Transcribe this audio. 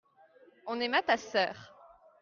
on aima ta sœur.